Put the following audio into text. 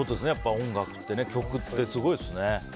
音楽って、曲ってすごいですね。